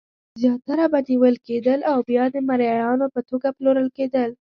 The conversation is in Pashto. زیاتره به نیول کېدل او بیا د مریانو په توګه پلورل کېدل.